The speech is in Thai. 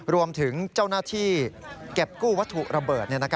รวมถึงเจ้าหน้าที่เก็บกู้วัตถุระเบิด